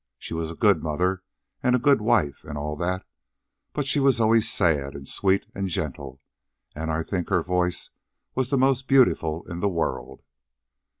She was a good mother and a good wife and all that, but she was always sad, and sweet, and gentle, and I think her voice was the most beautiful in the world."